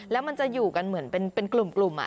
แล้วมันจะอยู่กันเหมือนเป็นกลุ่ม